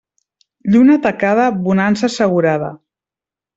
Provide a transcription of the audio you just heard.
Lluna tacada, bonança assegurada.